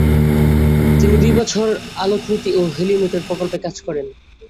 তিনি দুই বছর আলোকমিতি ও হেলিওমিটার প্রকল্পে কাজ করেন।